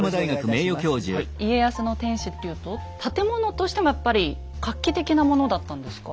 家康の天守っていうと建物としてもやっぱり画期的なものだったんですか？